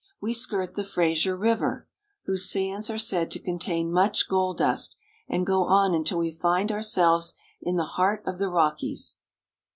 We skirt the Fraser River, whose sands are said to contain much gold dust, and go on until we find ourselves in the heart of the Rockies.